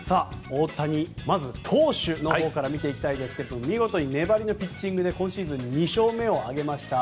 大谷、まず投手のほうから見ていきたいんですが見事に粘りのピッチングで今シーズン２勝目を挙げました。